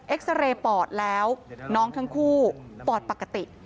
ซาเรย์ปอดแล้วน้องทั้งคู่ปอดปกติ